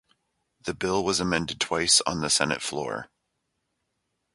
The bill was amended twice on the Senate floor.